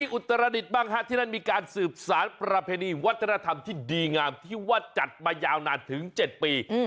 อุตรดิษฐ์บ้างฮะที่นั่นมีการสืบสารประเพณีวัฒนธรรมที่ดีงามที่ว่าจัดมายาวนานถึง๗ปี